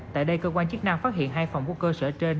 tại đây cơ quan chức năng phát hiện hai phòng của cơ sở trên